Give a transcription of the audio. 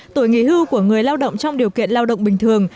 tuổi nghỉ hưu của người lao động trong điều kiện lao động bình thường